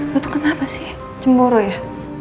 lu tuh kenapa sih cemburu ya